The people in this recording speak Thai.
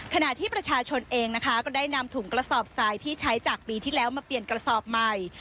ขณะที่ประชาชนเองนะคะก็ได้นำถุงกระสอบทรายที่ใช้จากปีที่แล้วมาเปลี่ยนกระสอบใหม่